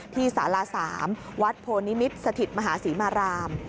ที่สารสามวัดโผนิมิตสถิตมหาศรีมาราม